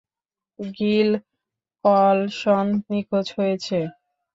Gill Colson নিখোঁজ হয়েছে।